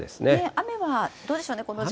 雨はどうでしょうね、この時間。